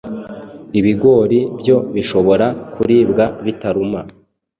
Ibigori byo bishobora kuribwa bitaruma,